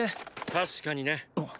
確かにね。